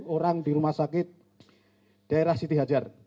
tiga puluh tujuh orang di rumah sakit daerah siti hajar